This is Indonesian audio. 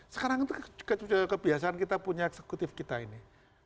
sekarang itu kebiasaan kita punya eksekutif kita ini